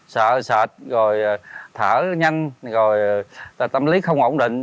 sợ sệt rồi thở nhanh rồi tâm lý không ổn định